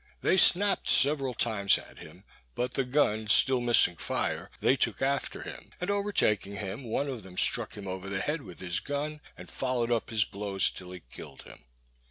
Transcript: They snapped several times at him, but the gun still missing fire, they took after him, and overtaking him, one of them struck him over the head with his gun, and followed up his blows till he killed him.